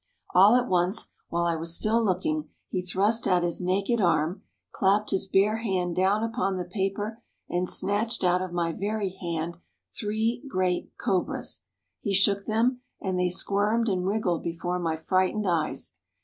All at once, while I was still looking, he thrust out his naked arm, clapped his bare hand down upon the paper, and snatched out of my very hand three great cobras. He shook them, and they squirmed and wriggled before my frightened eyes.